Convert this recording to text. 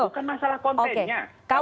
bukan masalah kontennya